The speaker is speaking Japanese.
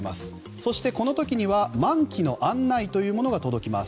そしてこの時には満期の案内が届きます。